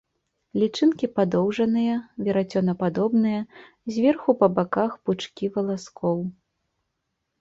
Лічынкі падоўжаныя, верацёнападобныя, зверху па баках пучкі валаскоў.